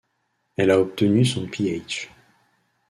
Elle a obtenu son Ph.